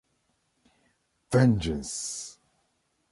Vengeance!